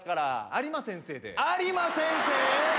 有馬先生！？